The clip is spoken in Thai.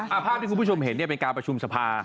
ภาพที่คุณผู้ชมเห็นเนี่ยเป็นการประชุมสภา